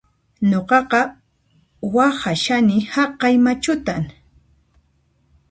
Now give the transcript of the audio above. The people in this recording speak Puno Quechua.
Nuqaqa waqhashani haqay machutan